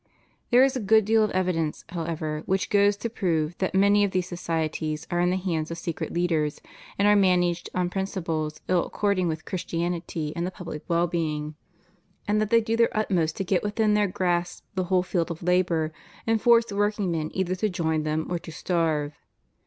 There is a good deal of evidence, however, which goes to prove that many of these societies are in the hands of secret leaders, and are man aged on principles ill according with Christianity and the public well being; and that they do their utmost to 242 CONDITION OF THE WORKING CLASSES i get within their grasp the whole field of labor, and force \ workingmen either to join them or to starve.